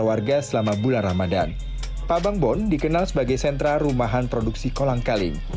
warga selama bulan ramadhan pabangbon dikenal sebagai sentra rumahan produksi kolangkaling